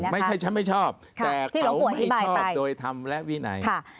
ไม่ใช่ฉันไม่ชอบแต่เขาไม่ชอบโดยธรรมและวินัย